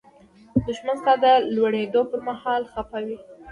دښمن ستا د لوړېدو پر مهال خپه وي